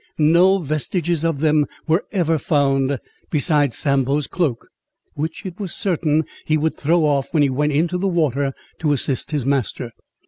No vestiges of them were ever found, besides Sambo's cloak, which, it was certain, he would throw off, when he went into the water to assist his master.